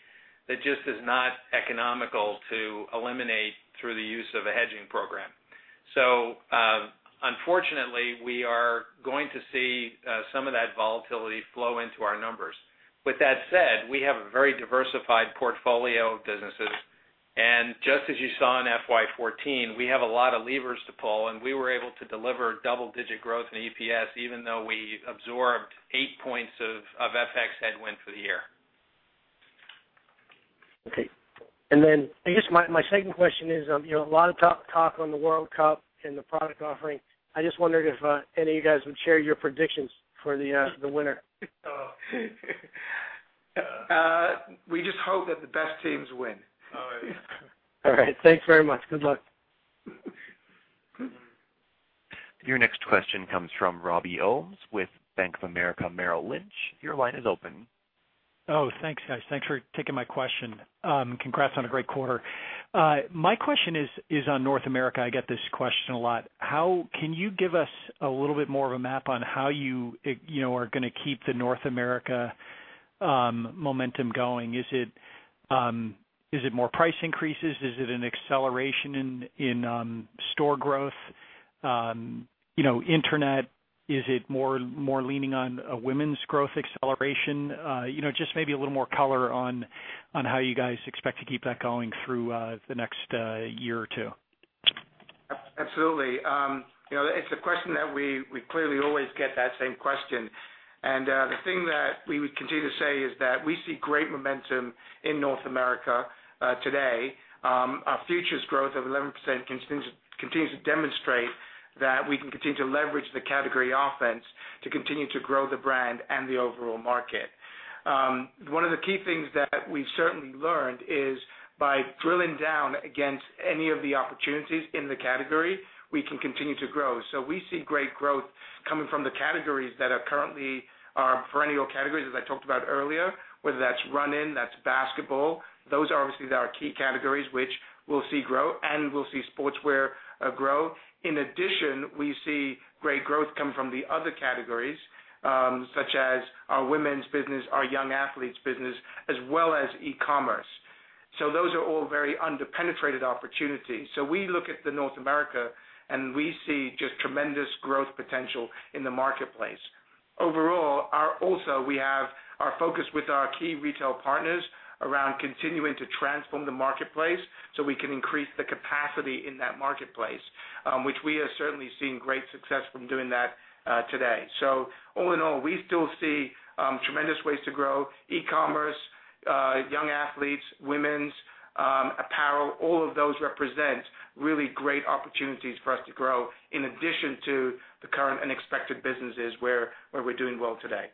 that just is not economical to eliminate through the use of a hedging program. Unfortunately, we are going to see some of that volatility flow into our numbers. With that said, we have a very diversified portfolio of businesses, and just as you saw in FY 2014, we have a lot of levers to pull, and we were able to deliver double-digit growth in EPS even though we absorbed eight points of FX headwind for the year. Okay. I guess my second question is, a lot of talk on the World Cup and the product offering. I just wondered if any of you guys would share your predictions for the winner. We just hope that the best teams win. All right. Thanks very much. Good luck. Your next question comes from Robert Ohmes with Bank of America Merrill Lynch. Your line is open. Thanks, guys. Thanks for taking my question. Congrats on a great quarter. My question is on North America. I get this question a lot. Can you give us a little bit more of a map on how you are going to keep the North America momentum going? Is it more price increases? Is it an acceleration in store growth? Internet? Is it more leaning on a women's growth acceleration? Just maybe a little more color on how you guys expect to keep that going through the next year or two. Absolutely. It's a question that we clearly always get that same question. The thing that we would continue to say is that we see great momentum in North America today. Our futures growth of 11% continues to demonstrate that we can continue to leverage the category offense to continue to grow the brand and the overall market. One of the key things that we've certainly learned is by drilling down against any of the opportunities in the category, we can continue to grow. We see great growth coming from the categories that are currently our perennial categories, as I talked about earlier, whether that's running, that's basketball. Those obviously are our key categories, which we'll see grow, and we'll see sportswear grow. In addition, we see great growth come from the other categories, such as our women's business, our young athletes business, as well as e-commerce. Those are all very under-penetrated opportunities. We look at North America, and we see just tremendous growth potential in the marketplace. Overall, also we have our focus with our key retail partners around continuing to transform the marketplace so we can increase the capacity in that marketplace, which we are certainly seeing great success from doing that today. All in all, we still see tremendous ways to grow. E-commerce, young athletes, women's apparel, all of those represent really great opportunities for us to grow in addition to the current and expected businesses where we're doing well today.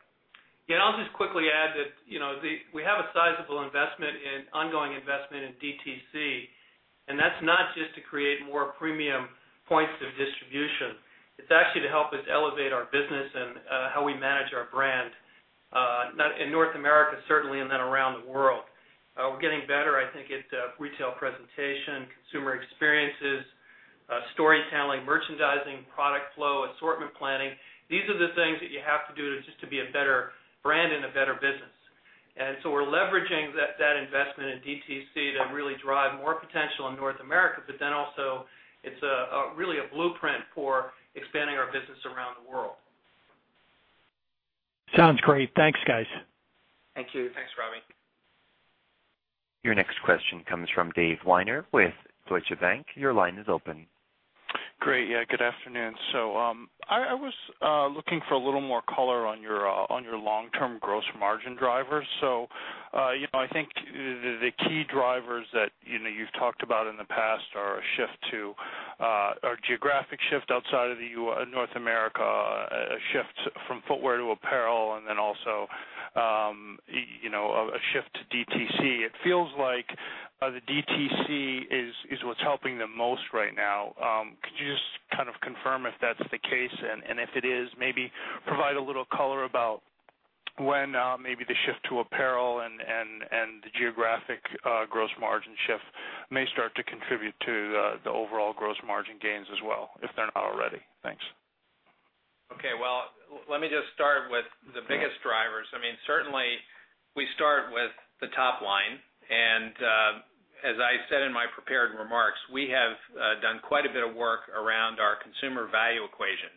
Yeah, I'll just quickly add that we have an ongoing investment in DTC, and that's not just to create more premium points of distribution. It's actually to help us elevate our business and how we manage our brand, in North America, certainly, and then around the world. We're getting better, I think, at retail presentation, consumer experiences, storytelling, merchandising, product flow, assortment planning. These are the things that you have to do just to be a better brand and a better business. We're leveraging that investment in DTC to really drive more potential in North America. Also it's really a blueprint for expanding our business around the world. Sounds great. Thanks, guys. Thank you. Thanks, Robbie. Your next question comes from David Weiner with Deutsche Bank. Your line is open. Great. Yeah, good afternoon. I was looking for a little more color on your long-term gross margin drivers. I think the key drivers that you've talked about in the past are a geographic shift outside of North America, a shift from footwear to apparel, and then also, a shift to DTC. It feels like the DTC is what's helping the most right now. Could you just kind of confirm if that's the case, and if it is, maybe provide a little color about when maybe the shift to apparel and the geographic gross margin shift may start to contribute to the overall gross margin gains as well, if they're not already. Thanks. Okay. Well, let me just start with the biggest drivers. Certainly, we start with the top line, as I said in my prepared remarks, we have done quite a bit of work around our consumer value equation.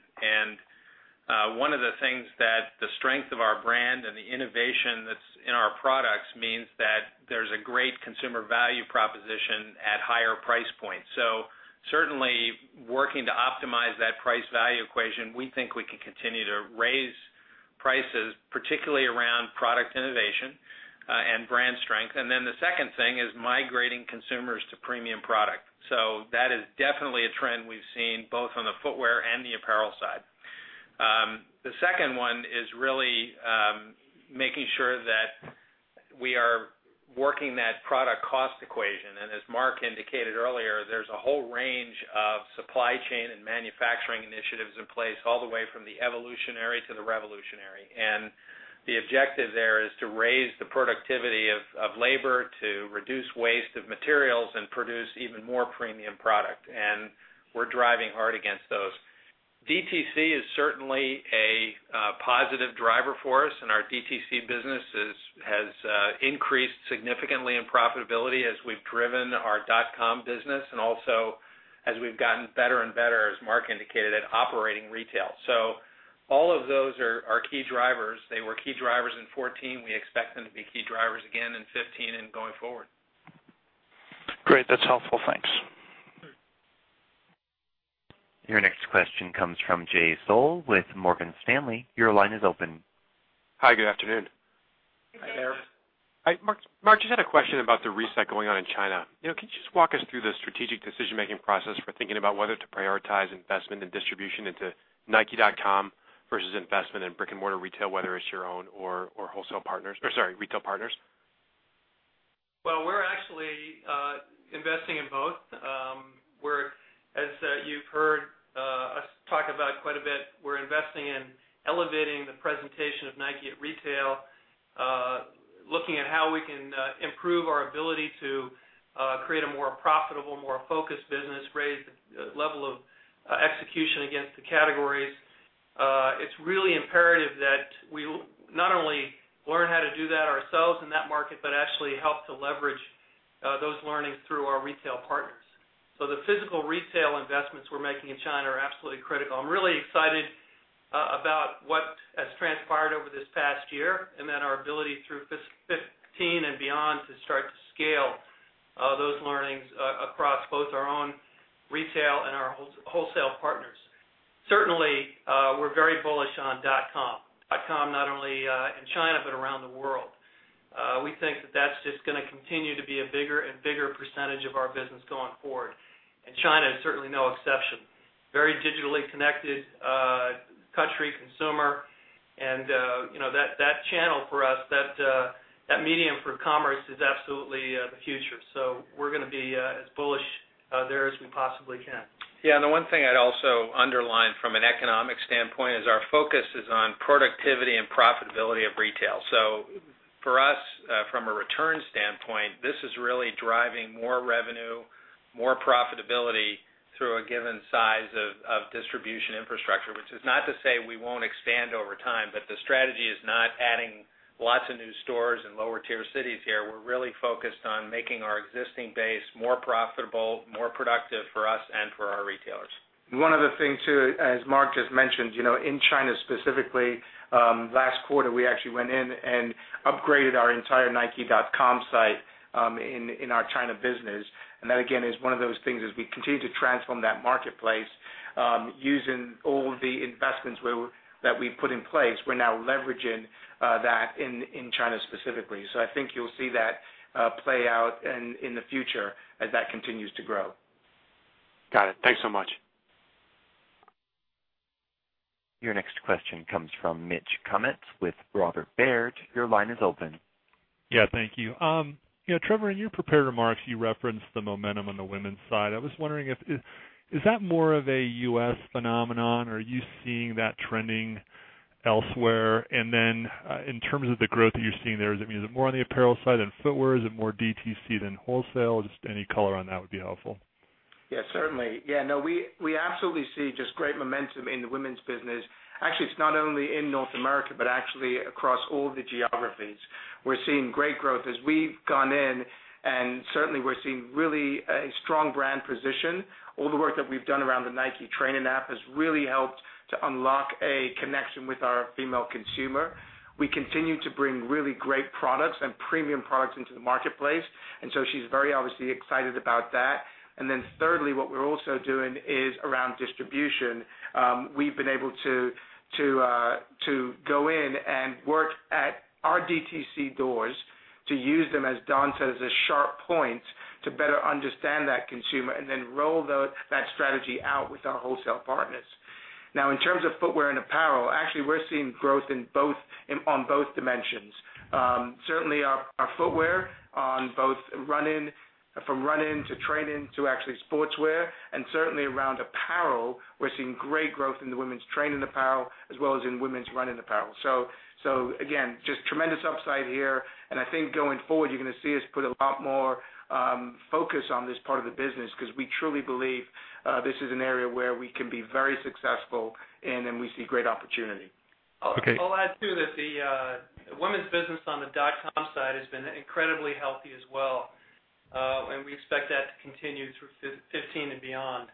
One of the things that the strength of our brand and the innovation that's in our products means that there's a great consumer value proposition at higher price points. Certainly working to optimize that price value equation, we think we can continue to raise prices, particularly around product innovation and brand strength. The second thing is migrating consumers to premium product. That is definitely a trend we've seen both on the footwear and the apparel side. The second one is really making sure that we are working that product cost equation. As Mark indicated earlier, there's a whole range of supply chain and manufacturing initiatives in place, all the way from the evolutionary to the revolutionary. The objective there is to raise the productivity of labor, to reduce waste of materials, and produce even more premium product. We're driving hard against those. DTC is certainly a positive driver for us, and our DTC business has increased significantly in profitability as we've driven our nike.com business, and also as we've gotten better and better, as Mark indicated, at operating retail. All of those are our key drivers. They were key drivers in 2014. We expect them to be key drivers again in 2015 and going forward. Great. That's helpful. Thanks. Next question comes from Jay Sole with Morgan Stanley. Your line is open. Hi, good afternoon. Hi there. Hi, Mark. Just had a question about the reset going on in China. Can you just walk us through the strategic decision-making process for thinking about whether to prioritize investment and distribution into nike.com versus investment in brick-and-mortar retail, whether it's your own or wholesale partners, or sorry, retail partners? Well, we're actually investing in both. As you've heard us talk about quite a bit, we're investing in elevating the presentation of Nike at retail, looking at how we can improve our ability to create a more profitable, more focused business, raise the level of execution against the categories. It's really imperative that we not only learn how to do that ourselves in that market, but actually help to leverage those learnings through our retail partners. The physical retail investments we're making in China are absolutely critical. I'm really excited about what has transpired over this past year, and then our ability through fiscal 2015 and beyond to start to scale those learnings across both our own retail and our wholesale partners. Certainly, we're very bullish on nike.com. nike.com not only in China but around the world. We think that that's just going to continue to be a bigger and bigger percentage of our business going forward. China is certainly no exception. Very digitally connected country, consumer, and that channel for us, that medium for commerce is absolutely the future. We're going to be as bullish there as we possibly can. Yeah, the one thing I'd also underline from an economic standpoint is our focus is on productivity and profitability of retail. For us, from a return standpoint, this is really driving more revenue, more profitability through a given size of distribution infrastructure, which is not to say we won't expand over time, but the strategy is not adding lots of new stores in lower tier cities here. We're really focused on making our existing base more profitable, more productive for us and for our retailers. One other thing, too, as Mark just mentioned, in China specifically, last quarter, we actually went in and upgraded our entire nike.com site in our China business. That, again, is one of those things as we continue to transform that marketplace using all the investments that we've put in place. We're now leveraging that in China specifically. I think you'll see that play out in the future as that continues to grow. Got it. Thanks so much. Your next question comes from Mitch Kummetz with Robert Baird. Your line is open. Yeah, thank you. Trevor, in your prepared remarks, you referenced the momentum on the women's side. I was wondering, is that more of a U.S. phenomenon or are you seeing that trending elsewhere? In terms of the growth that you're seeing there, is it more on the apparel side than footwear? Is it more DTC than wholesale? Just any color on that would be helpful. Yeah, certainly. We absolutely see just great momentum in the women's business. Actually, it's not only in North America, but actually across all the geographies. We're seeing great growth as we've gone in, certainly we're seeing really a strong brand position. All the work that we've done around the Nike training app has really helped to unlock a connection with our female consumer. We continue to bring really great products and premium products into the marketplace, she's very obviously excited about that. Thirdly, what we're also doing is around distribution. We've been able to go in and work at our DTC doors to use them, as Don says, as sharp points to better understand that consumer and then roll that strategy out with our wholesale partners. In terms of footwear and apparel, actually, we're seeing growth on both dimensions. Certainly, our footwear on both running, from running to training to actually sportswear, certainly around apparel, we're seeing great growth in the women's training apparel as well as in women's running apparel. Again, just tremendous upside here. I think going forward, you're going to see us put a lot more focus on this part of the business because we truly believe this is an area where we can be very successful and we see great opportunity. Okay. I'll add too, that the women's business on the nike.com side has been incredibly healthy as well. We expect that to continue through 2015 and beyond.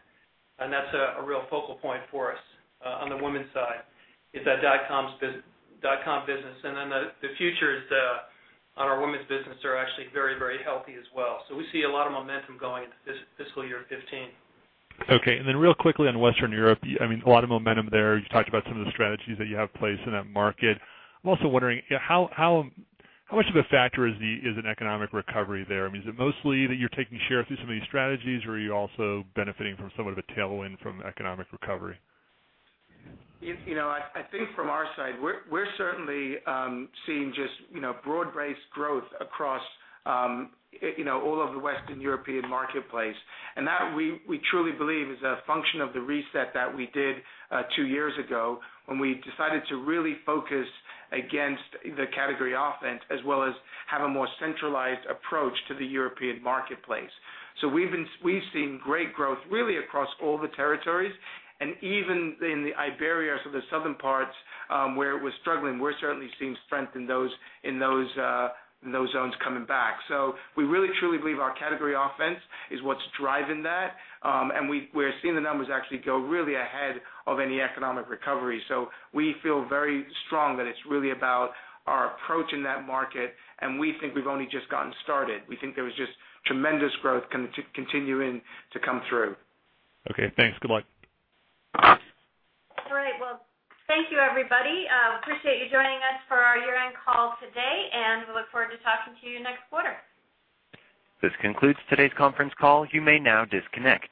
That's a real focal point for us on the women's side is that nike.com business. The future on our women's business are actually very, very healthy as well. We see a lot of momentum going into fiscal year 2015. Okay. Real quickly on Western Europe, a lot of momentum there. You talked about some of the strategies that you have placed in that market. I'm also wondering how much of a factor is an economic recovery there? Is it mostly that you're taking share through some of these strategies, or are you also benefiting from somewhat of a tailwind from economic recovery? I think from our side, we're certainly seeing just broad-based growth across all of the Western European marketplace. That, we truly believe, is a function of the reset that we did two years ago when we decided to really focus against the Category Offense, as well as have a more centralized approach to the European marketplace. We've seen great growth really across all the territories, and even in the Iberia, so the southern parts where it was struggling, we're certainly seeing strength in those zones coming back. We really, truly believe our Category Offense is what's driving that. We're seeing the numbers actually go really ahead of any economic recovery. We feel very strong that it's really about our approach in that market, and we think we've only just gotten started. We think there is just tremendous growth continuing to come through. Okay, thanks. Good luck. All right. Well, thank you, everybody. Appreciate you joining us for our year-end call today. We look forward to talking to you next quarter. This concludes today's conference call. You may now disconnect.